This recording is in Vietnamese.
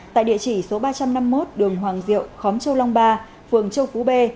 tại địa chỉ số ba trăm năm mươi một đường hoàng diệu khóm châu long ba phường châu phú b